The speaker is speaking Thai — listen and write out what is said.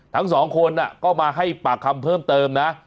ทั้งสองคนก็มาให้ปากคำเพิ่มเติมนะ